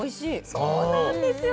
そうなんですよ。